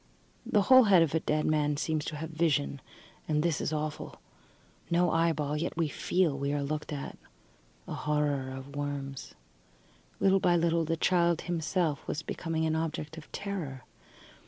The whole head of a dead man seems to have vision, and this is awful. No eyeball, yet we feel that we are looked at. A horror of worms. Little by little the child himself was becoming an object of terror.